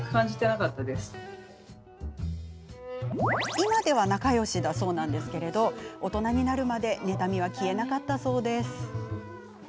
今では仲よしだといいますが大人になるまで妬みは消えなかったそうです。